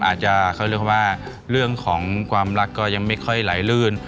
อาจจะเขาเรียกว่าเรื่องของความรักก็ยังไม่ค่อยไหลลื่น